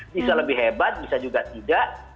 bisa lebih hebat bisa juga tidak